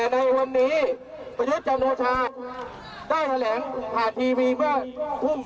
ในวันนี้ประยุทธ์จันโอชาได้แถลงผ่านทีวีเมื่อทุ่ม